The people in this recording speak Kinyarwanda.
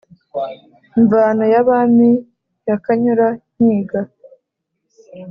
mvano ya bami ya kanyura-nkiga